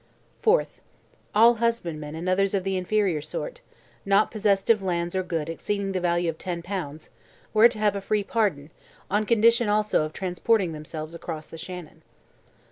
4th. All husbandmen and others of the inferior sort, "not possessed of lands or goods exceeding the value of 10 pounds," were to have a free pardon, on condition also of transporting themselves across the Shannon.